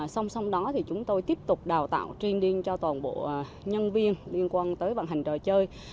xong xong đó thì chúng tôi tiếp tục đào tạo training cho toàn bộ nhân viên liên quan tới vận hành trò chơi